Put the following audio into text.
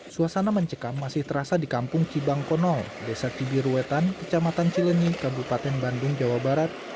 suasana mencekam masih terasa di kampung cibangko desa cibiruetan kecamatan cilenyi kabupaten bandung jawa barat